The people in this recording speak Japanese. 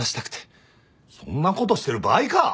そんなことしてる場合か！